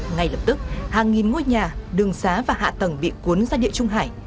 ngay lập tức hàng nghìn ngôi nhà đường xá và hạ tầng bị cuốn ra địa trung hải